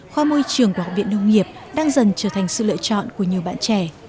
khoa môi trường của học viện nông nghiệp đang dần trở thành sự lựa chọn của nhiều bạn trẻ